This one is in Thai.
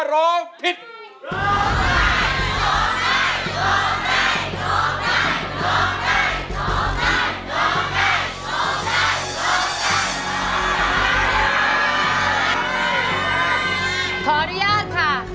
ขอบคุณค่ะ